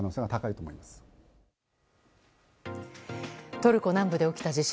トルコ南部で起きた地震。